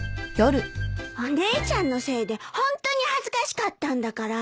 お姉ちゃんのせいでホントに恥ずかしかったんだから。